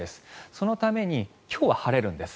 そのために今日は晴れるんです。